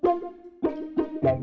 lu mauzus di sini